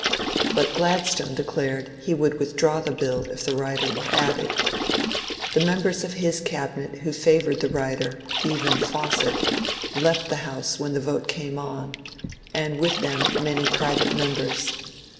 But Gladstone declared he would withdraw the bill if the rider were added. The members of his Cabinet who favoured the rider, even Fawcett, left the House when the vote came on, and with them many private members.